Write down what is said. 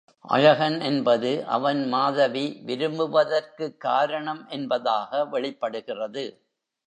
அழகன் என்பது அவன் மாதவி விரும்புவதற்குக் காரணம் என்பதாக வெளிப்படுகிறது.